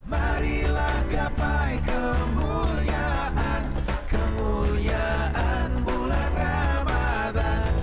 marilah gapai kemuliaan kemuliaan bulan ramadhan